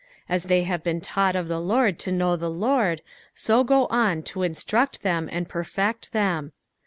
As they have been taught uf the Lord to know the Lord, so co on to instruct them and perfect them.